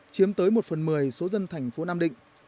chiếm tới một phần mười số dân thành phố nam định